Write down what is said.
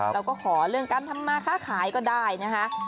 แล้วก็ขอเรื่องการทำมาค้าขายก็ได้นะคะ